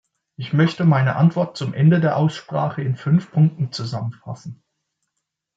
Ich möchte meine Antwort zum Ende der Aussprache in fünf Punkten zusammenfassen.